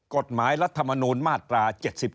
กฎหมายรัฐมณณุนมาตรา